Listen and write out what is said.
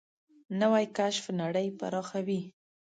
نوې کشف نړۍ پراخوي